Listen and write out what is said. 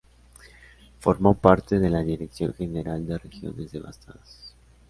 Formó parte de la Dirección General de Regiones Devastadas.